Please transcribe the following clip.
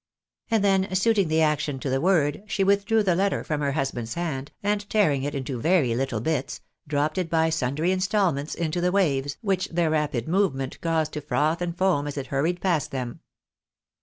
And then, suiting the action to the word, she withdrew the letter from her husband's hand, and, tearing it into very little bits, dropped it by sundry instalments into the waves, which their rapid movement caused to froth and foam as it hurried past them.